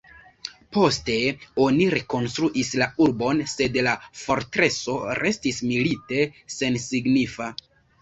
Poste oni rekonstruis la urbon, sed la fortreso restis milite sensignifa.